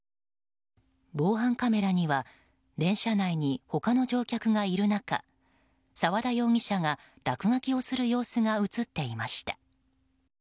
防犯カメラには電車内に他の乗客がいる中沢田容疑者が落書きをする様子が映っていました。